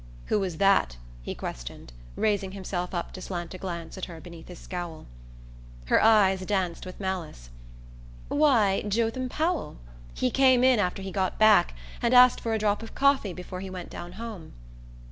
"Who was that?" he questioned, raising himself up to slant a glance at her beneath his scowl. Her eyes danced with malice. "Why, Jotham Powell. He came in after he got back, and asked for a drop of coffee before he went down home."